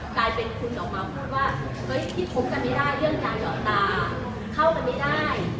กลายเป็นคุณออกมาพูดว่าเฮ้ยพี่คบกันไม่ได้เรื่องการหยอดตาเข้ากันไม่ได้